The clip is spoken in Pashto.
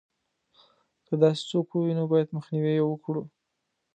که داسې څوک ووینو باید مخنیوی یې وکړو.